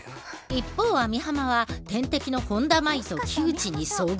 一方網浜は天敵の本田麻衣と木内に遭遇。